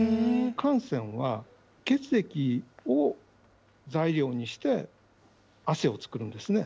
汗腺は血液を材料にして汗を作るんですね。